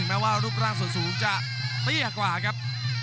แม้ว่ารูปร่างส่วนสูงจะเตี้ยกว่าครับ